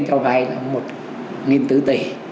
cho vay một nghìn tứ tỷ